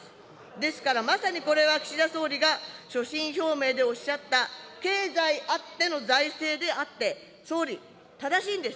ですからまさにこれは、岸田総理が所信表明でおっしゃった、経済あっての財政であって、総理、正しいんです。